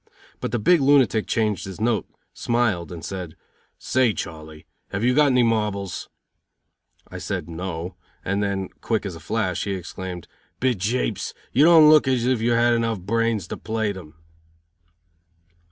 But the big lunatic changed his note, smiled and said: "Say, Charley, have you got any marbles?" I said, "No," and then, quick as a flash, he exclaimed: "Be Japes, you don't look as if you had enough brains to play them."